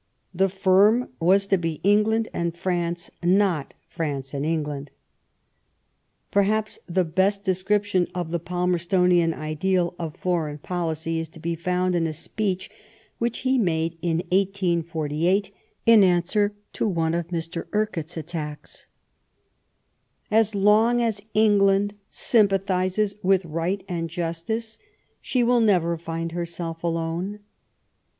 The firm was to be England and France, not France and England. Perhaps^ the best description of the Palmerstonian ideal of foreign policy is to be found in a speech which he made in 1848, in answer to one of Mr. Urquhart's attacks :— As long as [England] sympathises with right and justice, she will never find herself alone.